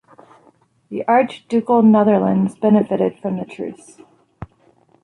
The Archducal Netherlands benefited from the Truce.